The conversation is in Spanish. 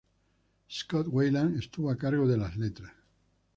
Scott Weiland estuvo a cargo de las letras.